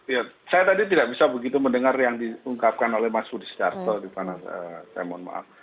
iya saya tadi tidak bisa begitu mendengar yang diungkapkan oleh mas budi secarto di mana saya mohon maaf